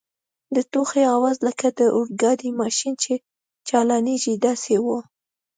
د ټوخي آواز لکه د اورګاډي ماشین چي چالانیږي داسې و.